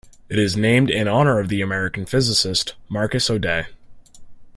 It is named in honour of the American physicist Marcus O'Day.